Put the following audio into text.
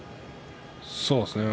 そうですね。